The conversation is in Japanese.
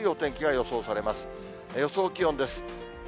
予想気温です。